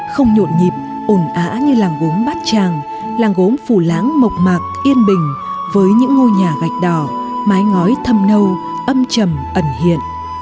không nhộn nhịp ồn ã như làng gốm bát tràng làng gốm phủ láng mộc mạc yên bình với những ngôi nhà gạch đỏ mái ngói thâm nâu âm trầm ẩn hiện